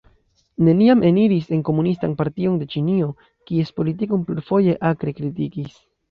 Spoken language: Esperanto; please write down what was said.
Neniam eniris en Komunistan Partion de Ĉinio, kies politikon plurfoje akre kritikis.